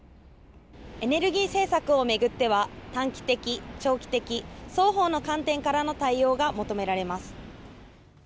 エネルギー政策を巡っては短期的、長期的双方の観点からの対応が求められます。